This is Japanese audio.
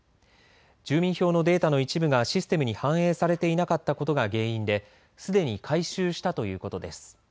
住民票のデータの一部がシステムに反映されていなかったことが原因ですでに改修したということです。